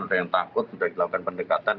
ada yang takut sudah dilakukan pendekatan